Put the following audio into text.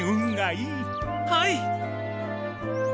はい！